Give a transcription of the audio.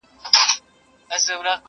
تا خو کړئ زموږ د مړو سپکاوی دی.